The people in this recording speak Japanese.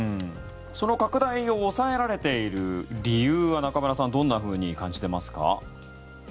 その拡大を抑えられている理由は中村さんどんなふうに感じていますか？